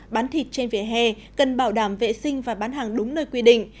bán thịt trên vỉa hè cần bảo đảm vệ sinh và bán hàng đúng nơi quy định